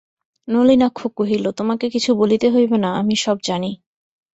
নলিনাক্ষ কহিল, তোমাকে কিছু বলিতে হইবে না, আমি সব জানি।